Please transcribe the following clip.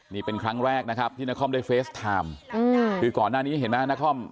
นี่เป็นครั้งแรกนะครับที่นครได้เฟสไทม์คือก่อนหน้านี้เห็นไหมนคร